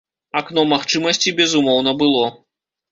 Акно магчымасці, безумоўна, было.